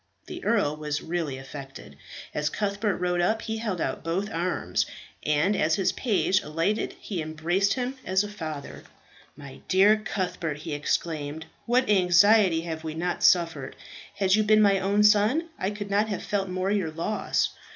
The earl was really affected. As Cuthbert rode up he held out both arms, and as his page alighted he embraced him as a father. "My dear Cuthbert!" he exclaimed. "What anxiety have we not suffered. Had you been my own son, I could not have felt more your loss.